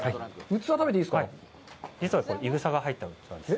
実は、いぐさが入った器です。